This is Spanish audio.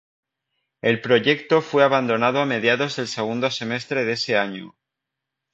El proyecto fue abandonado a mediados del segundo semestre de ese año.